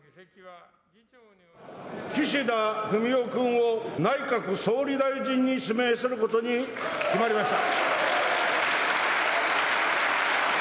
岸田文雄くんを内閣総理大臣に指名することに決まりました。